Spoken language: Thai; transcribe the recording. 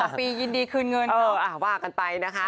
ลัก๒ปียินดีคืนเงินเค้าอ่าวหวากกันไปนะคะ